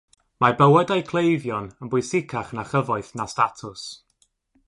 Mae bywydau cleifion yn bwysicach na chyfoeth na statws.